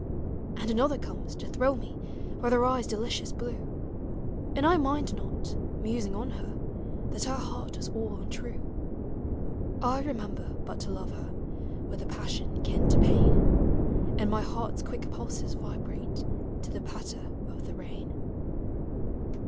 And another comes, to thrill me With her eyes' delicious blue; And I mind not, musing on her, That her heart was all untrue: I remember but to love her With a passion kin to pain. And my heart's quick pulses vibrate To the patter of the rain.